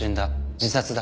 自殺だ。